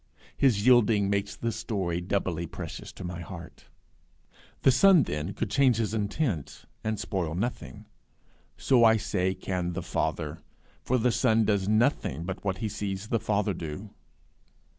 His yielding makes the story doubly precious to my heart. The Son then could change his intent, and spoil nothing: so, I say, can the Father; for the Son does nothing but what he sees the Father do.